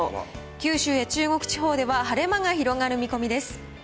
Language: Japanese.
九州や中国地方では晴れ間が広がる見込みです。